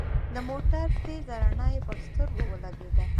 د موټر تېزه رڼا يې پر سترګو ولګېده.